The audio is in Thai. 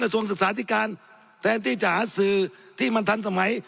ส่วนศึกษาธิการแทนที่จะหาสื่อที่มันทันสมัย